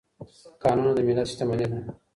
کانونه د ملت شتمني ده.